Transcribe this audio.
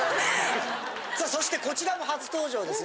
さあそしてこちらも初登場ですね